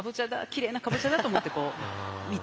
きれいなかぼちゃだと思ってこう見て。